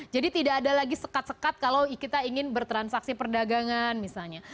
jadi tidak ada lagi sekat sekat kalau kita ingin bertransaksi perdagangan misalnya